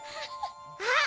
あっ！